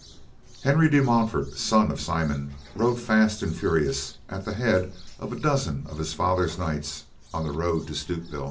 Henry de Montfort, son of Simon, rode fast and furious at the head of a dozen of his father's knights on the road to Stutevill.